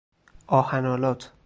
آهن آلات